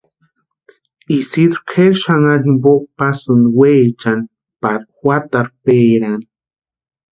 Isidru kʼeri xanharu jimpo pasïnti weechani pari juatarhu péraani.